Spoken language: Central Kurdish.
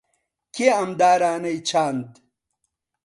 کێ ئەم دارانەی چاند؟